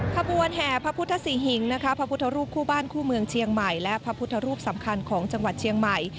ขบวนแห่พระพุทธศรีหิงนะคะพระพุทธรูปคู่บ้านคู่เมืองเชียงใหม่และพระพุทธรูปสำคัญของจังหวัดเชียงใหม่